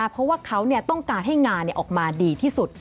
เพราะว่าเขาต้องการให้งานออกมาดีที่สุด